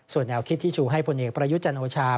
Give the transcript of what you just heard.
แนวคิดที่ชูให้พลเอกประยุทธ์จันโอชา